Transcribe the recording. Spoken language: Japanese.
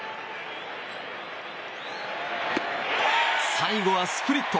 最後はスプリット。